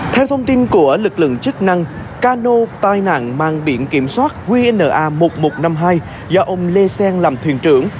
theo thông tin của lực lượng chức năng cano tai nạn mang biển kiểm soát qna một nghìn một trăm năm mươi hai do ông lê xen làm thuyền trưởng